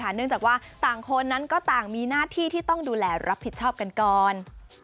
เนื่องจากว่าต่างคนนั้นก็ต่างมีหน้าที่ที่ต้องดูแลรับผิดชอบกันก่อน